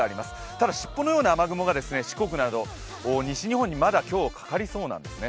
ただ、尻尾のような雨雲が四国など西日本にまだ今日かかりそうなんですね。